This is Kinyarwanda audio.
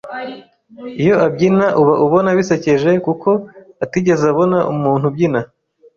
iyo abyina uba ubona bisekeje kuko atigeze abona umuntu ubyina